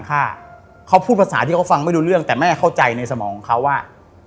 โทษหาที่เค้าฟังไม่รู้เรื่องแต่แม่เข้าใจในสมองเค้าว่า